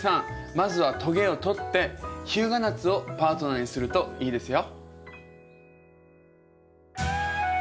まずはトゲを取ってヒュウガナツをパートナーにするといいですよ。